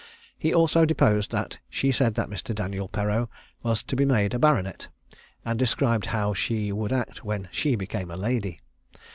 He also deposed that she said that Mr. Daniel Perreau was to be made a baronet, and described how she would act when she became a lady.